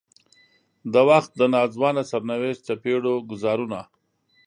د وخت د ناځوانه سرنوشت څپېړو ګوزارونه.